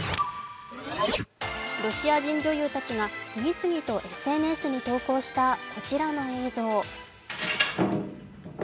ロシア人女優たちが次々とＳＮＳに投稿したこちらの映像。